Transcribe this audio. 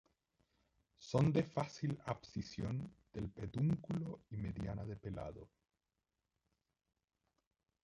Son de fácil abscisión del pedúnculo y mediana de pelado.